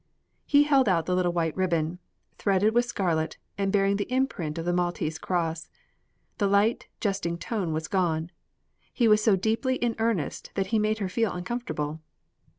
He held out the little white ribbon, threaded with scarlet, and bearing the imprint of the Maltese cross. The light, jesting tone was gone. He was so deeply in earnest that it made her feel uncomfortable.